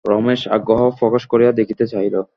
রমেশ আগ্রহ প্রকাশ করিয়া দেখিতে চাহিল।